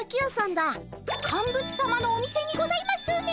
カンブツさまのお店にございますね。